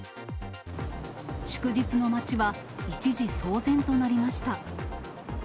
祝日の街は一時騒然となりました。